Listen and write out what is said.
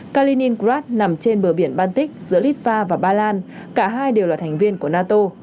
kaliningrad nằm trên bờ biển baltic giữa litva và ba lan cả hai đều là thành viên của nato